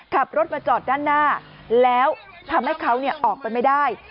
ขับรถมาจอดด้านหน้าแล้วทำให้เขาออกไปไม่ได้